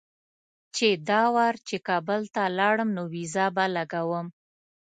چې دا وار چې کابل ته لاړم نو ویزه به لګوم.